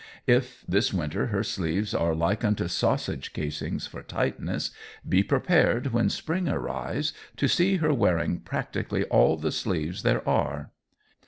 If this winter her sleeves are like unto sausage casings for tightness, be prepared when spring arrives to see her wearing practically all the sleeves there are.